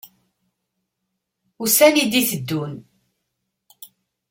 Ussan i d-iteddun.